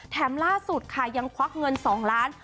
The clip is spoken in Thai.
ล่าสุดค่ะยังควักเงิน๒ล้าน